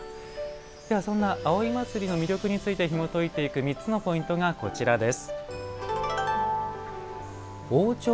では、そんな葵祭の魅力についてひもといていく３つのポイントがこちらです。